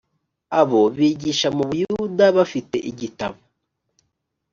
abo bigisha mu buyuda bafite igitabo